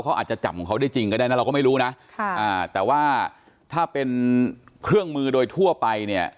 เขาอาจจะจำของเขาได้จริงก็ได้นะเราก็ไม่รู้นะค่ะอ่าแต่ว่าถ้าเป็นเครื่องมือโดยทั่วไปเนี่ย